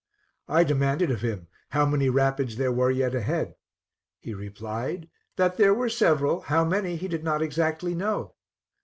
I demanded of him "how many rapids there were yet ahead;" he replied "that there were several; how many he did not exactly know."